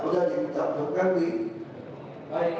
di dgn dikasi